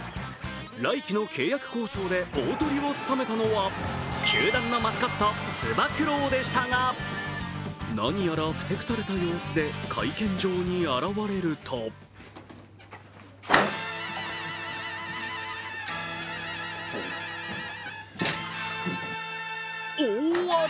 来季の契約交渉で大トリを務めたのは球団のマスコット・つば九郎でしたが何やら、ふてくされた様子で会見場に現れると大荒れ！